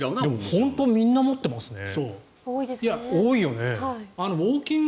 本当にみんな持ってますね。